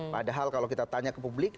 padahal kalau kita tanya ke publik